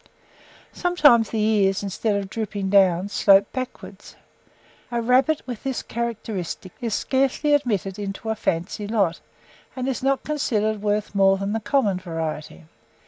Sometimes the ears, instead of drooping down, slope backwards: a rabbit with this characteristic is scarcely admitted into a fancy lot, and is not considered worth more than the common variety.